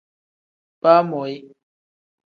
Baamoyi.